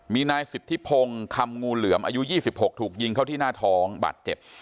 มีนายสิทธิพงศ์คำงูเหลือมอายุ๒๖ถูกยิงเข้าที่หน้าท้องบาดเจ็บ